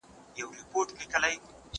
زه لوبه کړې ده؟